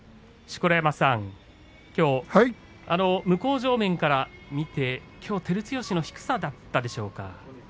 錣山さん、向正面から見てきょう、照強の低さだったでしょうか。